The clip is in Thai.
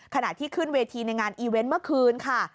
ขณะที่ขึ้นเวทีในงานอีเวนต์เมื่อคืนค่ะ